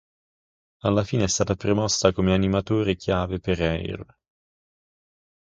Alla fine è stata promossa come animatore chiave per "Air".